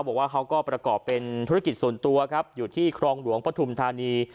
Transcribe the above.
บอกว่าเขาก็ประกอบเป็นธุรกิจส่วนตัวครับอยู่ที่ครองหลวงปฐุมธานี